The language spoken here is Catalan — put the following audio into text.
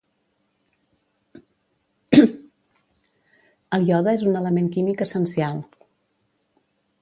El iode és un element químic essencial.